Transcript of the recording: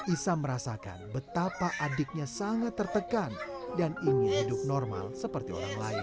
isa merasakan betapa adiknya sangat tertekan dan ingin hidup normal seperti orang lain